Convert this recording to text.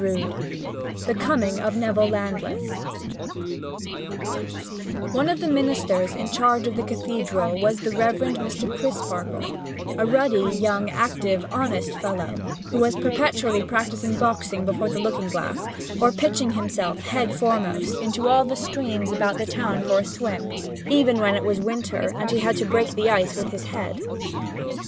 II THE COMING OF NEVILLE LANDLESS One of the ministers in charge of the cathedral was the Reverend Mr. Crisparkle, a ruddy, young, active, honest fellow, who was perpetually practising boxing before the looking glass or pitching himself head foremost into all the streams about the town for a swim, even when it was winter and he had to break the ice with his head.